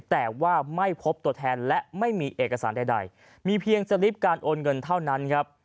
แต่ว่าไม่พบตัวแทนและไม่มีเอกสารใดมีเพียงสลิปการโอนเงินเท่านั้นครับ